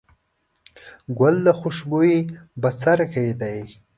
ګل د خوشبويي بڅرکی دی.